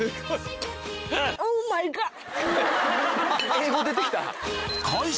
英語出てきた。